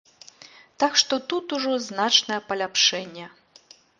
Так што тут ужо значнае паляпшэнне.